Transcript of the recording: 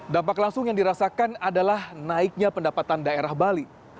dampak langsung yang dirasakan adalah naiknya pendapatan daerah bali